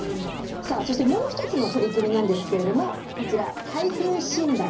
さあそしてもう一つの取り組みなんですけれどもこちら耐風診断です。